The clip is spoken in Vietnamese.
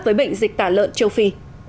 với bệnh dịch tả lợn châu phi